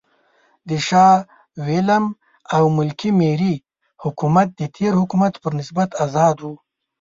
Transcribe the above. د شاه وېلیم او ملکې مېري حکومت د تېر حکومت پر نسبت آزاد و.